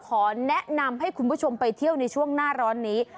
ขอแนะนำให้คุณผู้ชมไปเที่ยวในช่วงหน้าร้อนนี้